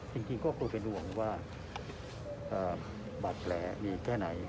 จริงก็เป็นอ่วงว่าบัตรได้แก้ไหน